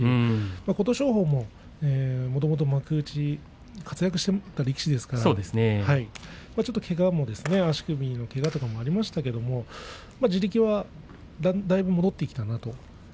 琴勝峰も、もともと幕内で活躍していた力士ですから足首のけがとかもありましたけれど地力はだいぶ戻ってきたなと。